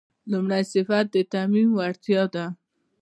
لومړی صفت د تعمیم وړتیا ده.